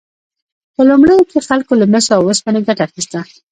په لومړیو کې خلکو له مسو او اوسپنې ګټه اخیسته.